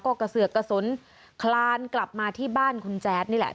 ก็กระเสือกกระสุนคลานกลับมาที่บ้านคุณแจ๊ดนี่แหละ